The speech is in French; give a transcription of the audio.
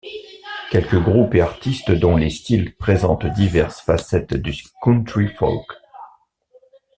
Quelques groupes et artistes dont les styles présentent diverses facettes du country folk.